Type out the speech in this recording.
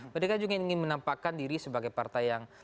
mereka juga ingin menampakkan diri sebagai partai yang